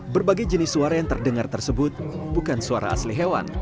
berbagai jenis suara yang terdengar tersebut bukan suara asli hewan